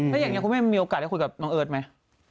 แล้วอย่างนี้คุณแม่มีโอกาสได้คุยกับน้องเอิร์ทไหม